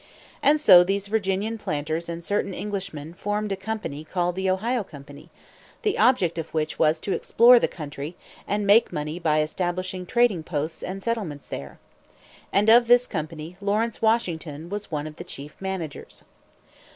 And so these Virginian planters and certain Englishmen formed a company called the Ohio Company, the object of which was to explore the country, and make money by establishing trading posts and settlements there. And of this company, Lawrence Washington was one of the chief managers.